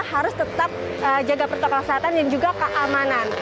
harus tetap jaga protokol kesehatan dan juga keamanan